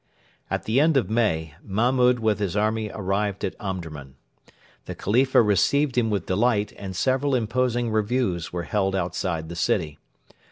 At the end of May, Mahmud with his army arrived at Omdurman. The Khalifa received him with delight, and several imposing reviews were held outside the city.